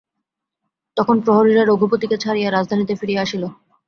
তখন প্রহরীরা রঘুপতিকে ছাড়িয়া রাজধানীতে ফিরিয়া আসিল।